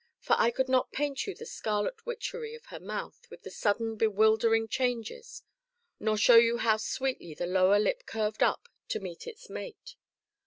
For I could not paint you the scarlet witchery of her mouth with its sudden, bewildering changes, nor show you how sweetly the lower lip curved up to meet its mate.